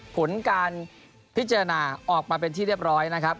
ผลการพิจารณาออกมาเป็นที่เรียบร้อยนะครับ